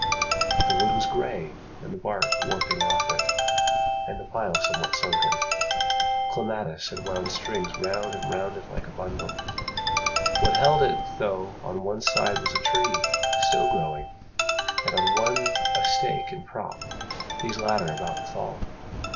The wood was grey and the bark warping off it And the pile somewhat sunken. Clematis Had wound strings round and round it like a bundle. What held it though on one side was a tree Still growing, and on one a stake and prop, These latter about to fall.